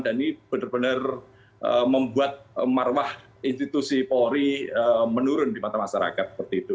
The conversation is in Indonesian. dan ini benar benar membuat marwah institusi kapolri menurun di mata masyarakat